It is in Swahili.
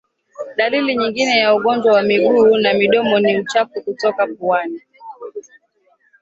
Dalili nyingine ya ugonjwa wa miguu na midomo ni uchafu kutoka puani